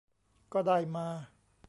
ก็ได้มา